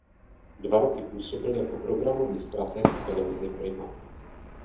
Dva roky působil jako programový stratég v televizi Prima.